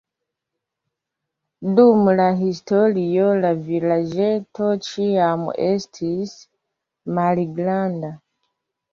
Dum la historio la vilaĝeto ĉiam estis malgranda.